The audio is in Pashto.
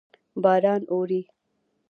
باران اوري.